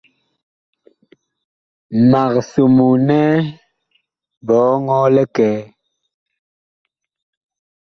Mag somoo nɛ biɔŋɔɔ likɛɛ.